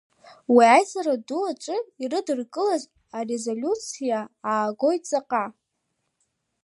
Уи аизара ду аҿы ирыдыркылаз арезолиуциа аагоит ҵаҟа…